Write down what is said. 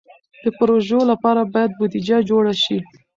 د پروژو لپاره باید بودیجه جوړه شي.